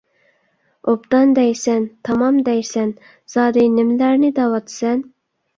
«ئوبدان» دەيسەن، «تامام» دەيسەن، زادى نېمىلەرنى دەۋاتىسەن؟